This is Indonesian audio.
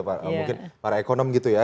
para mungkin para ekonom gitu ya